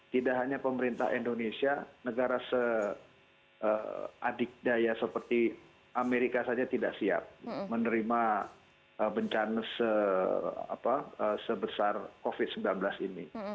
tidak hanya pemerintah indonesia negara se adikdaya seperti amerika saja tidak siap menerima bencana sebesar covid sembilan belas ini